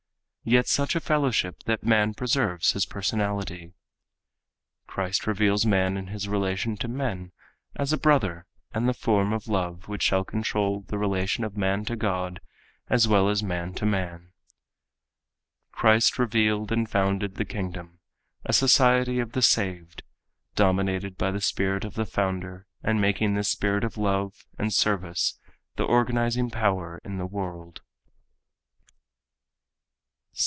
Yet such a fellowship that man preserves his personality. Christ reveals man in his relation to men as a brother and the form of love which shall control the relation of man to God as well as man to man. Christ revealed and founded the Kingdom, a society of the saved, dominated by the spirit of the founder and making this spirit of love and service the organizing power in the world.